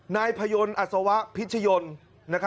นายพยนต์อัศวะพิชยนต์